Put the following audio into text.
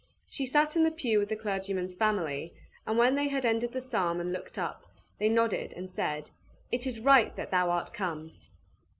She sat in the pew with the clergyman's family, and when they had ended the psalm and looked up, they nodded and said, "It is right that thou art come!"